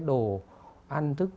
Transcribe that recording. đồ ăn thức